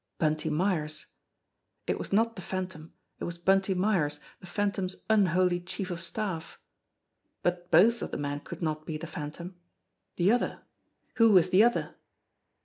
Bunty Myers ! It was not the Phan tom; it was Bunty Myers, the Phantom's unholy chief of staff ! But both of the men could not be the Phantom. The other! Who was the other?